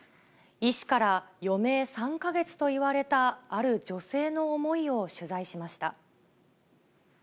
医師から余命３か月と言われたある女性の思いを取材しました。